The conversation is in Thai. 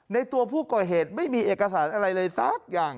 ในตัวผู้ก่อเหตุไม่มีเอกสารอะไรเลยสักอย่าง